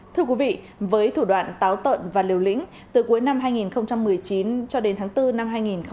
thưa quý vị với thủ đoạn táo tợn và liều lĩnh từ cuối năm hai nghìn một mươi chín cho đến tháng bốn năm hai nghìn hai mươi